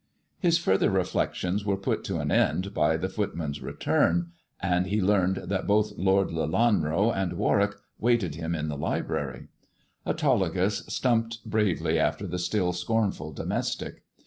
His further reflections were put an end to by the foot 132 THE dwarf's chamber man's return, and he learned that both Lord Lelanro and Warwick waited him in the library. Autolycos stamped bravely after the still scornful domestic.